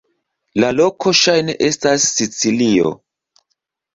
La loko ŝajne estas Sicilio.